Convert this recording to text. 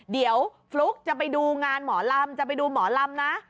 เดี๋ยวฟลุ๊กจะไปดูงานหมอลำจะไปดูหมอลำนะ